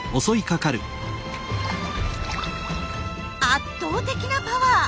圧倒的なパワー。